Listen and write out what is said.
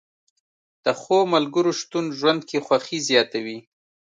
د ښو ملګرو شتون ژوند کې خوښي زیاتوي